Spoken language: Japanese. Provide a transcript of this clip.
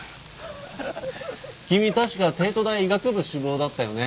君確か帝都大医学部志望だったよね？